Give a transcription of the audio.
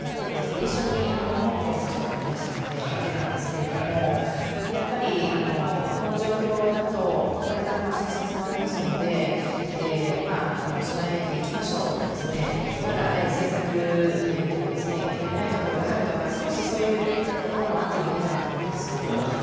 一緒に香港の人もいらしたので見ていたんですけれどもやっぱりこの状況だとこれから春節もありますので備えていきましょうとかまだ政策面でも足りないところがあるとか少し、そういう言葉があってもなかったんですね。